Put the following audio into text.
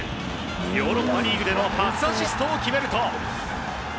ヨーロッパリーグでの初アシストを決めると。